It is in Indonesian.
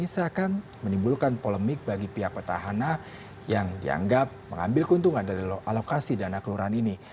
seakan menimbulkan polemik bagi pihak petahana yang dianggap mengambil keuntungan dari alokasi dana kelurahan ini